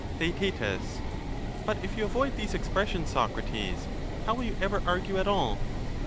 Theaet, But if you avoid these expressions, Socrates, how will you ever argue at all